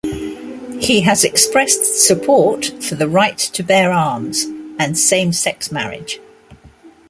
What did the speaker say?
He has expressed support for the right to bear arms and same-sex marriage.